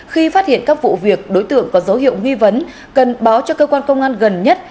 khi phát hiện các vụ việc đối tượng có dấu hiệu nghi vấn cần báo cho cơ quan công an gần nhất